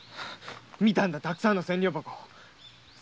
見たんだたくさんの千両箱。